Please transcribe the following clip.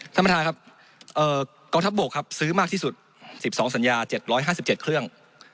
ท่านประธานครับกองทัพบกครับซื้อมากที่สุด๑๒สัญญา๗๕๗เครื่อง